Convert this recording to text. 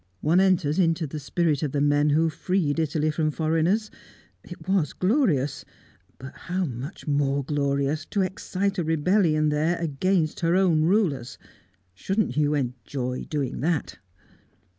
One enters into the spirit of the men who freed Italy from foreigners it was glorious; but how much more glorious to excite a rebellion there against her own rulers! Shouldn't you enjoy doing that?"